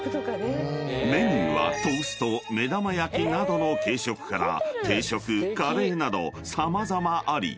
［メニューはトースト目玉焼きなどの軽食から定食カレーなど様々あり］